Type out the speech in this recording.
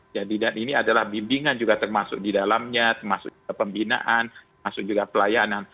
jadi dan ini adalah bimbingan juga termasuk di dalamnya termasuk kepembinaan termasuk juga pelayanan